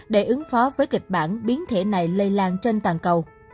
để ứng phó với kịch bản biến thể này lây lan trên toàn cầu